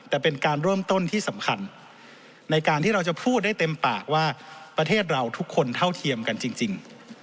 แต่เป็นการเริ่มต้นที่สำคัญในการที่เราจะพูดได้เต็มปากว่าประเทศเราทุกคนเท่าเทียมกันจริง